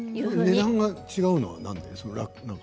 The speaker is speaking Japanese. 値段が違うのはなんで？